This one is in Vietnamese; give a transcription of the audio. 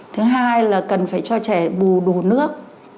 thứ hai là cần phải cho trẻ bù đủ nước